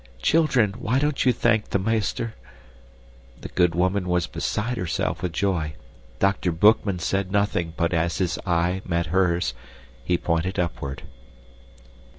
Children, why don't you thank the meester?" The good woman was beside herself with joy. Dr. Boekman said nothing, but as his eye met hers, he pointed upward.